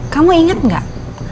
kamu inget gak